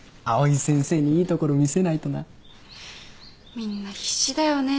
みんな必死だよね